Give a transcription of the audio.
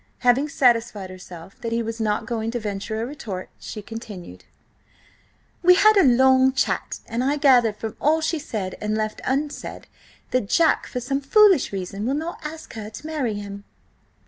Having satisfied herself that he was not going to venture a retort, she continued: "We had a long chat, and I gathered, from all she said and left unsaid, that Jack, for some foolish reason, will not ask her to marry him."